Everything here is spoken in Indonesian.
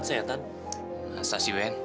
oke ya siat dia kan